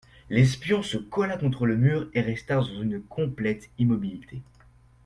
L'espion se colla contre le mur et resta dans une complète immobilité.